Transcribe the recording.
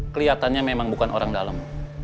kelihatannya memang bukan orang dalam